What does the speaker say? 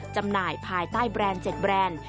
จำหน่ายภายใต้แบรนด์๗แบรนด์